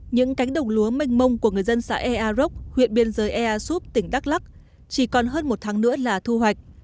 những cánh đồng lúa mênh mông của người dân xã air arok huyện biên giới air soup tỉnh đắk lắc chỉ còn hơn một tháng nữa là thu hoạch